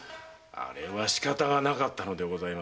あれは仕方がなかったのです。